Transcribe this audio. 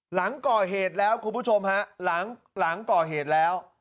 หลังก่อเหตุแล้วคุณผู้ชมฮะหลังก่อเหตุแล้ว